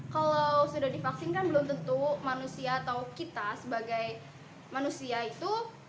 kalau sudah divaksin kan belum tentu manusia atau kita sebagai manusia itu